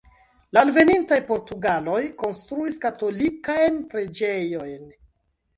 La alvenintaj portugaloj konstruis katolikajn preĝejojn.